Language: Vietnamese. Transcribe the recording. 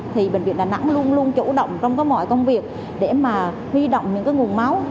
thì bệnh viện đà nẵng luôn luôn chủ động trong mọi công việc để mà huy động những cái nguồn máu